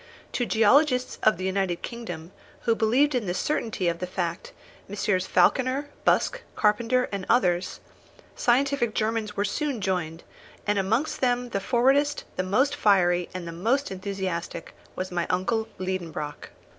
To the geologists of the United Kingdom, who believed in the certainty of the fact Messrs. Falconer, Busk, Carpenter, and others scientific Germans were soon joined, and amongst them the forwardest, the most fiery, and the most enthusiastic, was my uncle Liedenbrock.